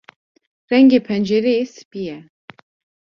Rengê pencereyê spî ye.